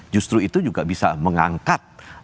justru itu juga bisa mengangkat